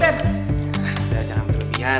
ya udah jangan berlebihan